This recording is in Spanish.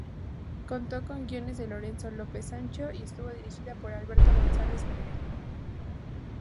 Contó con guiones de Lorenzo López Sancho y estuvo dirigida por Alberto González Vergel.